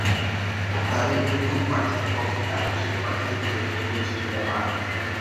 তাঁদের ভোটগুলো প্রার্থীদের পক্ষে ডাকযোগে পাঠিয়ে দিলেই ভোটের ঝুলিটা বাড়ানো যায়।